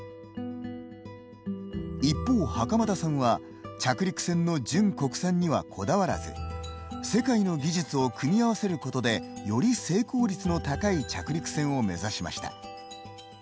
一方袴田さんは着陸船の純国産にはこだわらず世界の技術を組み合わせることでより成功率の高い着陸船を目指しました。